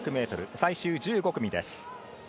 最終１５組です。